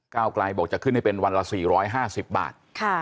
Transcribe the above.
กลายบอกจะขึ้นให้เป็นวันละ๔๕๐บาท